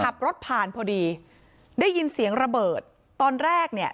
ขับรถผ่านพอดีได้ยินเสียงระเบิดตอนแรกเนี่ย